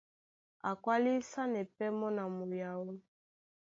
A kwálisanɛ pɛ́ mɔ́ na muyaó.